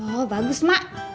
oh bagus mak